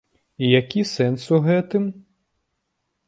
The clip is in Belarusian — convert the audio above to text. І які сэнс у гэтым?